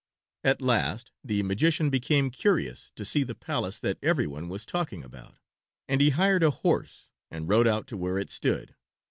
At last the magician became curious to see the palace that everyone was talking about, and he hired a horse and rode out to where it stood.